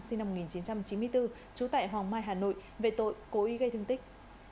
sinh năm một nghìn chín trăm chín mươi bốn trú tại hoàng mai hà nội về tội cố ý gây thương tích